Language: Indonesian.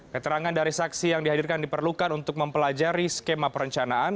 keterangan dari saksi yang dihadirkan diperlukan untuk mempelajari skema perencanaan